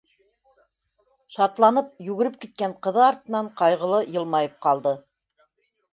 Шатланып йүгереп киткән ҡыҙы артынан ҡайғылы йылмайып ҡалды.